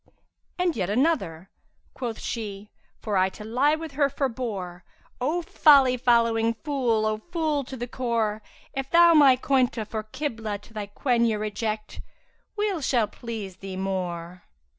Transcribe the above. And yet another, 'Quoth she (for I to lie with her forbore), * 'O folly following fool, O fool to core: If thou my coynte for Kiblah[FN#342] to thy coigne * Reject, we'll shall please thee more.'